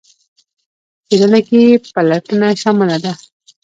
په څیړنه کې پلټنه شامله ده.